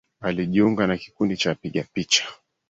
Alijiunga na kikundi cha wapiga picha